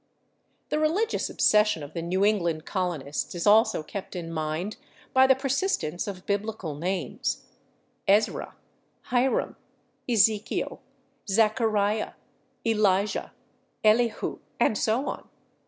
The religious obsession of the New England colonists is also kept in mind by the persistence of Biblical names: /Ezra/, /Hiram/, /Ezekial/, /Zachariah/, /Elijah/, /Elihu/, and so on.